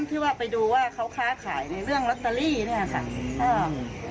ที่ว่าไปดูว่าเขาค้าขายในเรื่องลอตเตอรี่เนี่ยค่ะอ่า